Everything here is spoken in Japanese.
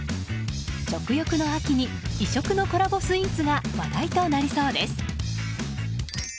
食欲の秋に異色のコラボスイーツが話題となりそうです。